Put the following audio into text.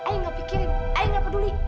ayo gak pikirin ayah gak peduli